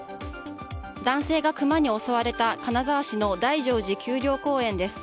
男性がクマに襲われた金沢市の大乗寺丘陵公園です。